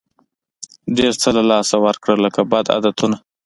ډېر څه له لاسه ورکړه لکه بد عادتونه.